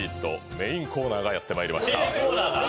メインコーナーがやってまいりました。